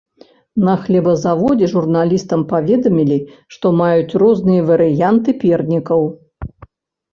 На хлебазаводзе журналістам паведамілі, што маюць розныя варыянты пернікаў.